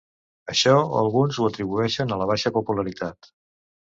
Això alguns ho atribueixen a la baixa popularitat.